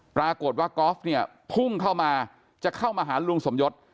ปรากฏว่ากอล์ฟเนี่ยพุ่งเข้ามาจะเข้ามาหาลุงสมยศ